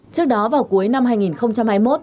trước đó vào cuối năm hai nghìn hai mươi một